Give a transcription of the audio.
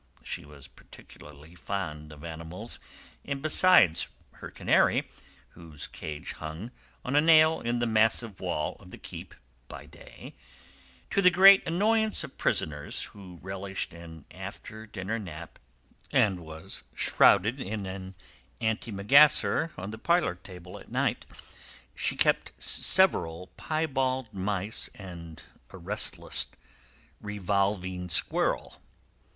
She was particularly fond of animals, and, besides her canary, whose cage hung on a nail in the massive wall of the keep by day, to the great annoyance of prisoners who relished an after dinner nap, and was shrouded in an antimacassar on the parlour table at night, she kept several piebald mice and a restless revolving squirrel.